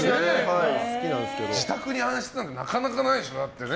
自宅に暗室なんてなかなかないでしょ。